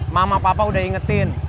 mama papa udah ingetin